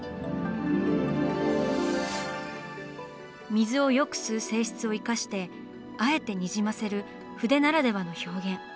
水をよく吸う性質を生かしてあえてにじませる筆ならではの表現。